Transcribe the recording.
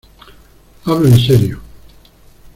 hablo en serio.